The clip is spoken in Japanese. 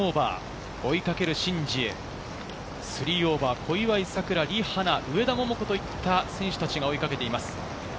追いかけるシン・ジエは＋３。小祝さくら、リ・ハナ、上田桃子といった選手たちが追いかけています。